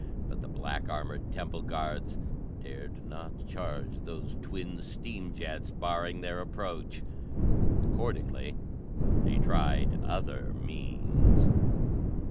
But the black armored temple guards dared not charge those twin steam jets barring their approach. Accordingly they tried other means.